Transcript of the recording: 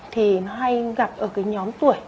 thì hay gặp ở cái nhóm tuổi